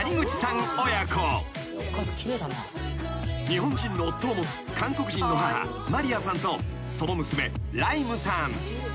［日本人の夫を持つ韓国人の母マリアさんとその娘来夢さん］